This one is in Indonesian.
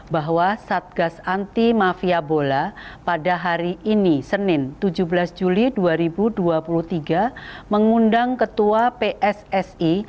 bahwa satgas anti mafia bola pada hari ini senin tujuh belas juli dua ribu dua puluh tiga mengundang ketua pssi